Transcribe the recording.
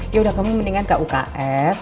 yaudah kamu mendingan ke uks